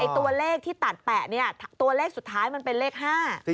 ตัวเลขที่ตัดแปะเนี่ยตัวเลขสุดท้ายมันเป็นเลข๕